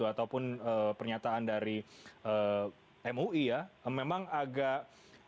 ataupun pernyataan dari mui ya memang agak